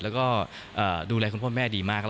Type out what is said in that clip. แล้วก็ดูแลคุณพ่อแม่ดีมาก